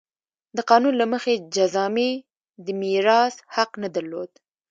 د قانون له مخې جذامي د میراث حق نه درلود.